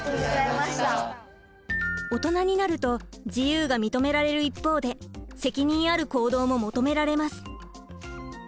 オトナになると自由が認められる一方で責任ある行動も求められます。